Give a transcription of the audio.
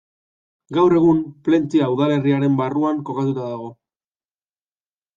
Gaur egun Plentzia udalerriaren barruan kokatuta dago.